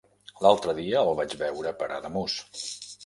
L'altre dia el vaig veure per Ademús.